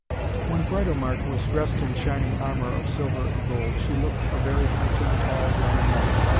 When Britomart was dressed in shining armour of silver and gold, she looked a very handsome, tall, young knight.